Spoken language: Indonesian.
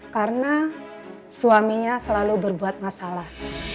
karena suaminya selalu berbuat masalah